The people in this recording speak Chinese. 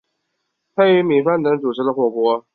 配以米饭等主食的火锅。